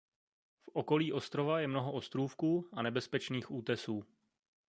V okolí ostrova je mnoho ostrůvků a nebezpečných útesů.